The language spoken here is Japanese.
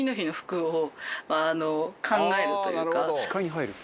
「視界に入る」